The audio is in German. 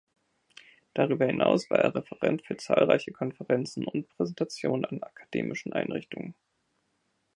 Darüber hinaus war er Referent für zahlreiche Konferenzen und Präsentationen an akademischen Einrichtungen.